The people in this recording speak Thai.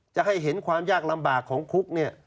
จะให้เห็นความยากลำบากของคุกเนี่ย